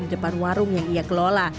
di depan warung yang ia kelola